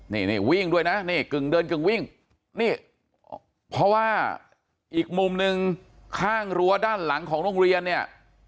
นี่นี่วิ่งด้วยนะนี่กึ่งเดินกึ่งวิ่งนี่เพราะว่าอีกมุมหนึ่งข้างรั้วด้านหลังของโรงเรียนเนี่ย